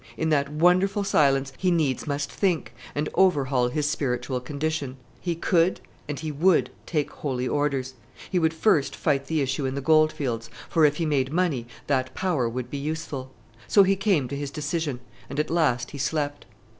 In that wonderful silence he needs must think, and overhaul his spiritual condition. He could and he would take Holy Orders. He would first fight the issue in the goldfields, for, if he made money, that power would be useful. So he came to his decision; and at last he slept.